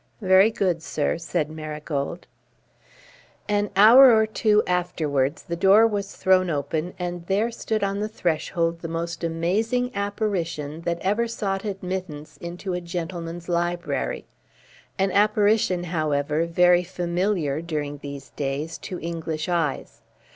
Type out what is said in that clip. "Very good, sir," said Marigold. An hour or two afterwards the door was thrown open and there stood on the threshold the most amazing apparition that ever sought admittance into a gentleman's library; an apparition, however, very familiar during these days to English eyes.